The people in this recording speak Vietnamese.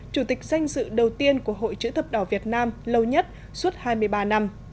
chủ tịch danh sự đầu tiên của hội chữ thập đỏ việt nam lâu nhất suốt hai mươi ba năm